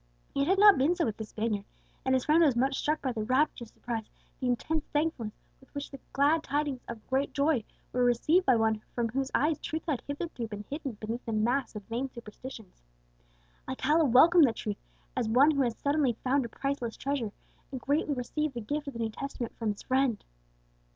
It had not been so with the Spaniard, and his friend was much struck by the rapturous surprise, the intense thankfulness with which the glad tidings of great joy were received by one from whose eyes truth had hitherto been hidden beneath a mass of vain superstitions. Alcala welcomed that truth as one who has suddenly found a priceless treasure, and gratefully received the gift of the New Testament from his friend.